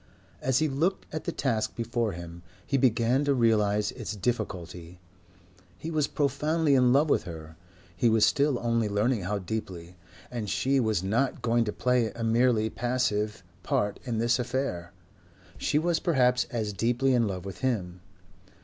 As he looked at the task before him he began to realize its difficulty. He was profoundly in love with her, he was still only learning how deeply, and she was not going to play a merely passive part in this affair. She was perhaps as deeply in love with him....